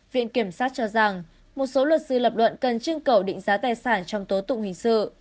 viện kiểm sát cho rằng một số luật sư lập luận cần chương cầu định giá tài sản trong tố tụng hình sự